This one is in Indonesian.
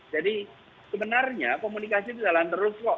jadi sebenarnya komunikasi dijalankan terus kok